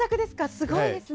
すごいですね。